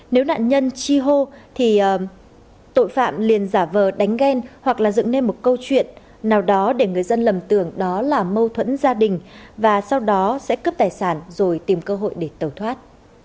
nếu nạn nhân chi hô thì tội phạm liền giả vờ đánh ghen hoặc là dựng nên một câu chuyện nào đó để người dân lầm tưởng đó là mâu thuẫn gia đình và sau đó sẽ cướp tài sản rồi tìm cơ hội để tẩu thoát